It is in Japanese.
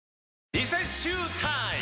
リセッシュータイム！